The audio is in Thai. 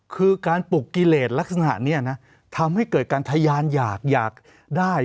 คือการปลุกกิเลสลักษณะนี้นะทำให้เกิดการทะยานอยากอยากได้